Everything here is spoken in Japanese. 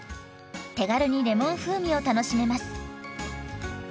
手軽にレモン風味を楽しめます。